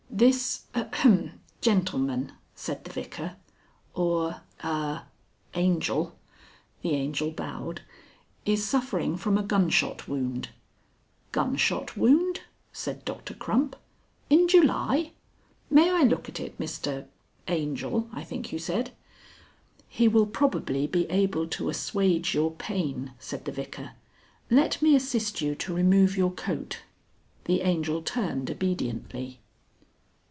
"This ahem gentleman," said the Vicar, "or ah Angel" the Angel bowed "is suffering from a gunshot wound." "Gunshot wound!" said Doctor Crump. "In July! May I look at it, Mr Angel, I think you said?" "He will probably be able to assuage your pain," said the Vicar. "Let me assist you to remove your coat?" The Angel turned obediently.